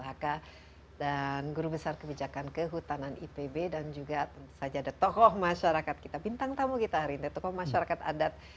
apalagi dari segi lingkungan dan juga bagaimana kita menjaga yang namanya tadi lumpung kehidupan kita